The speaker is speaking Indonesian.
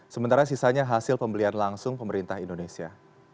sementara sisanya hasil pembelian langsung pemerintah indonesia